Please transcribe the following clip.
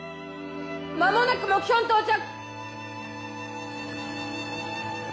間もなく目標に到着！